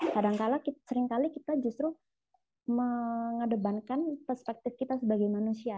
kadangkala seringkali kita justru mengedepankan perspektif kita sebagai manusia